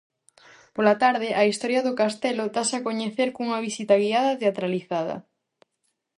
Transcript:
Pola tarde, a historia do castelo dáse a coñecer cunha visita guiada teatralizada.